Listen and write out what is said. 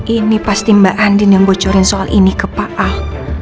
ini pasti mbak andin yang bocorin soal ini ke pak ahok